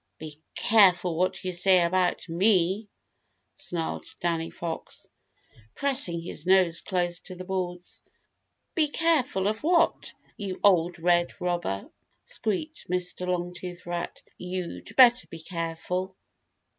"Be careful what you say about me," snarled Danny Fox, pressing his nose close to the boards. "Be careful of what, you old red robber?" squeaked Mr. Longtooth Rat. "You'd better be careful!"